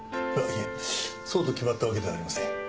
あっいえそうと決まったわけではありません。